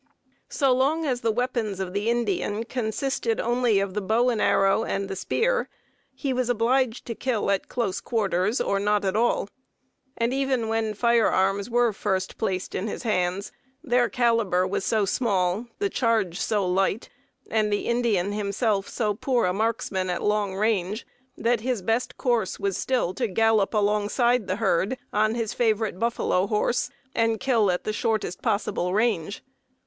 So long as the weapons of the Indian consisted only of the bow and arrow and the spear, he was obliged to kill at close quarters or not at all. And even when fire arms were first placed in his hands their caliber was so small, the charge so light, and the Indian himself so poor a marksman at long range, that his best course was still to gallop alongside the herd on his favorite "buffalo horse" and kill at the shortest possible range.